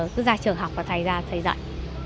cứ ra trường học và thầy ra thầy dạy